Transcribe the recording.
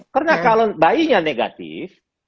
karena kalau bayinya negatif